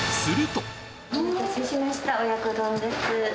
お待たせしました親子丼です。